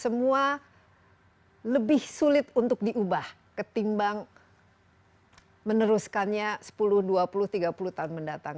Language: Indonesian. semua lebih sulit untuk diubah ketimbang meneruskannya sepuluh dua puluh tiga puluh tahun mendatang